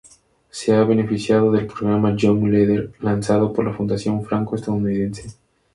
Se ha beneficiado del programa Young Leader lanzado por la Fundación Franco-Estadounidense.